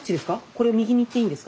これ右に行っていいんですか？